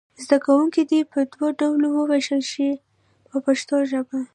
زده کوونکي دې په دوو ډلو وویشئ په پښتو ژبه.